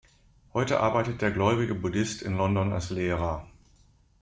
Heute arbeitet der gläubige Buddhist in London als Lehrer.